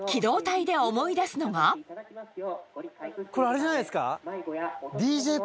これ、あれじゃないですか。